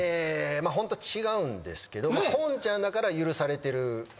ホントは違うんですけど今ちゃんだから許されてる感じで。